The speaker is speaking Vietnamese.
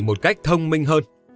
một cách thông minh hơn